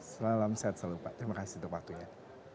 salam sehat selalu pak terima kasih untuk waktunya